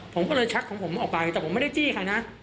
ผมก็เลยชักของผมออกไปแต่ผมไม่ได้จี้ใครนะ